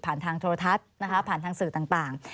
ผ่านทางโทรทัศน์ผ่านทางสื่อต่าง